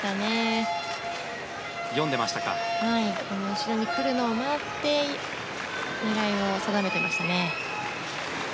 後ろに来るのを待って狙いを定めてましたね。